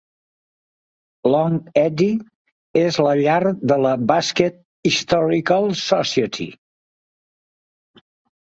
Long Eddy és la llar de la Basket Historical Society.